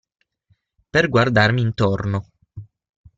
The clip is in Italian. Per guardarmi intorno.